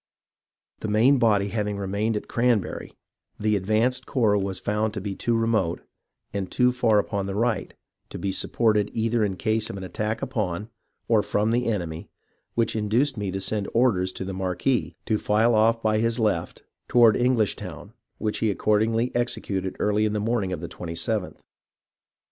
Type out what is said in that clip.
The main MONMOUTH AND NEWPORT 237 body having remained at Cranberry, the advanced corps was found to be too remote and too far upon the right to be sup ported either in case of an attack upon, or from the enemy, which induced me to send orders to the marquis to file off by his left toward Englishtown, which he accordingly executed early in the morning of the 27th.